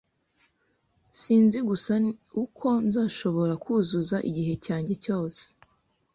Sinzi gusa uko nzashobora kuzuza igihe cyanjye cyose!